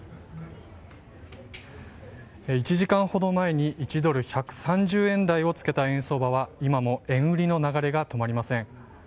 １時間ほど前に１ドル＝１３０円台を付けた円相場は今も円売りの流れが止まりません。